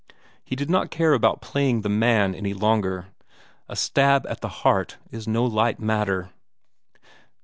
He did not care about playing the man any longer. A stab at the heart is no light matter.